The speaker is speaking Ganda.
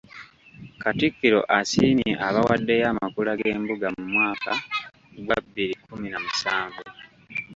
Katikkiro asiimye abawaddeyo amakula g’embuga mu mwaka gwa bbiri kkumi na musanvu.